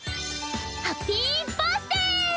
ハッピーバースデー！